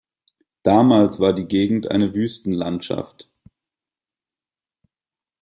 Damals war die Gegend eine Wüstenlandschaft.